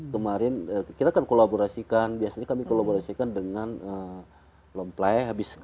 kemarin kita kan kolaborasikan biasanya kami kolaborasikan dengan lomplai habis